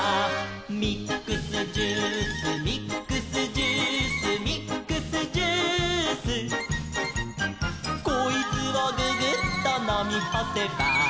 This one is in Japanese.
「ミックスジュースミックスジュース」「ミックスジュース」「こいつをググッとのみほせば」